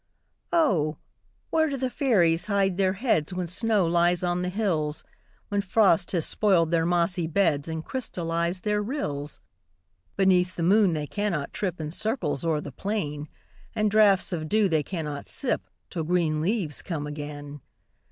Oh ! where do fairies hide their heads, When snow lies on the hills, When frost has spoiled their mossy beds, And crystallized their rills? Beneath the moon they cannot trip In circles o'er the plain ; And draughts of dew they cannot sip, Till green leaves come again.